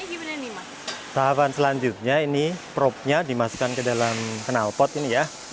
ini tahapan selanjutnya ini propnya dimasukkan ke dalam kenal pot ini ya